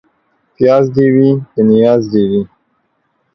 پياز دي وي ، په نياز دي وي.